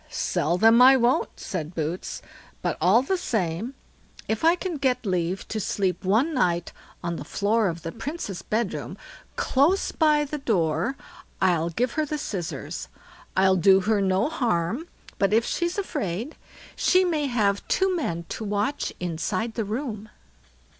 sell them I won't", said Boots; "but all the same, if I can get leave to sleep one night on the floor of the Princess' bedroom, close by the door, I'll give her the scissors. I'll do her no harm, but if she's afraid, she may have two men to watch inside the room."